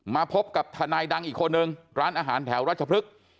มาพบกับทนายดังอีกคนนึงร้านอาหารแถวราชพฤกษ์